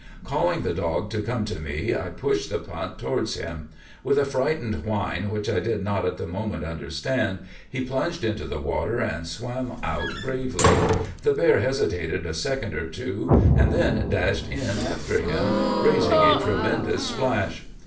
"Calling the dog to come to me, I pushed the punt towards him. With a frightened whine, which I did not at the moment understand, he plunged into the water and swam out bravely. The bear hesitated a second or two, and then dashed in after him, raising a tremendous splash.